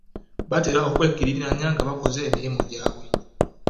Batera okwekkiriranya nga bakola emirimu gyabwe.